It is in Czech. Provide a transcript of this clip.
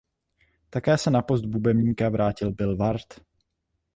Také se na post bubeníka vrátil Bill Ward.